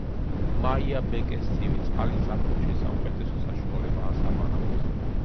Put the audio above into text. მაიაბეკეს ცივი წყალი ზაფხულში საუკეთესო საშუალებაა საბანაოდ.